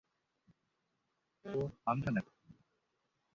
ওহ, আন্ধা নাকি?